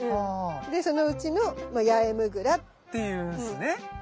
でそのうちのヤエムグラ。って言うんですね。